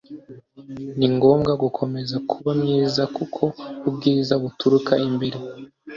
ni ngombwa gukomeza kuba mwiza kuko ubwiza buturuka imbere